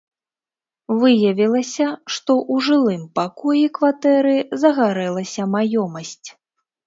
Выявілася, што ў жылым пакоі кватэры загарэлася маёмасць.